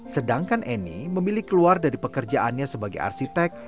sedangkan eni memilih keluar dari pekerjaannya sebagai arsitek